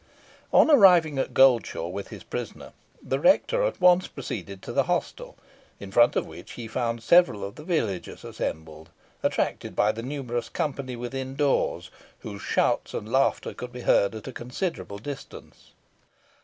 On arriving at Goldshaw with his prisoner, the rector at once proceeded to the hostel, in front of which he found several of the villagers assembled, attracted by the numerous company within doors, whose shouts and laughter could be heard at a considerable distance.